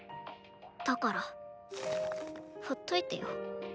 だからほっといてよ。